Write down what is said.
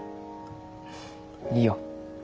いいよ。